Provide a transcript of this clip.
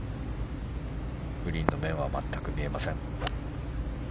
グリーンの面は全く見えません。